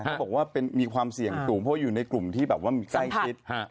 เขาบอกว่ามีความเสี่ยงสูงเพราะอยู่ในกลุ่มที่แบบว่ามีใกล้ชิด